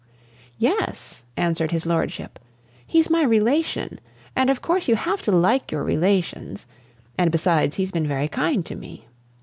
"Yes," answered his lordship. "He's my relation, and of course you have to like your relations; and besides, he's been very kind to me.